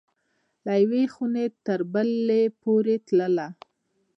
له یوې خوني تر بلي پوری تلله